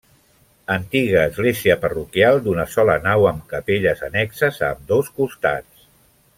Antiga església parroquial, d'una sola nau amb capelles annexes a ambdós costats.